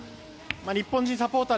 日本人サポーター